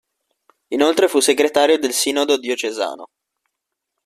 Inoltre fu segretario del sinodo diocesano.